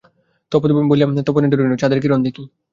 তপত বলিয়া তপনে ডরিনু, চাঁদের কিরণ দেখি!